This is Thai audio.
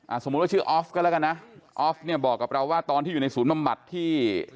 สมมุติว่าชื่อออฟก็แล้วกันนะออฟเนี่ยบอกกับเราว่าตอนที่อยู่ในศูนย์บำบัดที่